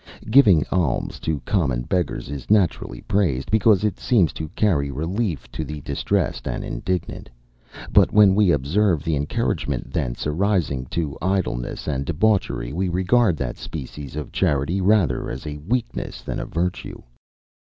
Giving alms to common beggars is naturally praised; because it seems to carry relief to the distressed and indigent; but when we observe the encouragement thence arising to idleness and debauchery, we regard that species of charity rather as a weakness than a virtue.